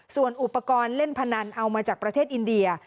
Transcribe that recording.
ส่วนอุปกรณ์เล่นพนันเอามาจากประเทศอินเดีย